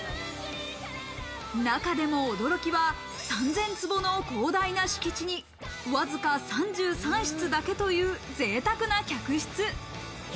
中でも驚きは３０００坪の広大な敷地にわずか３３室だけというぜいたくな客室。